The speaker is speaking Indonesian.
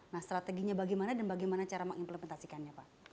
nah strateginya bagaimana dan bagaimana cara mengimplementasikannya pak